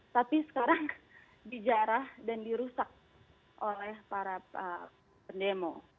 tapi sekarang dijarah dan dirusak oleh para pendemo